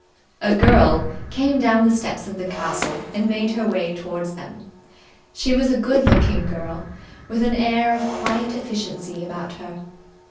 A girl came down the steps of the castle and made her way towards them. She was a good looking girl, with an air of quiet efficiency about her.